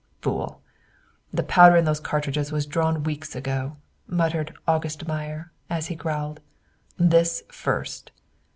"Fool, the powder in those cartridges was drawn weeks ago," muttered "August Meyer," as he growled, "This first!"